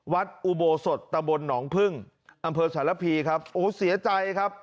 วัดอุโบสถตะบลหนองพึ่งอำเภอสารพีครับโอ้เสียใจครับ